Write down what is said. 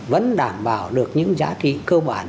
vẫn đảm bảo được những giá trị cơ bản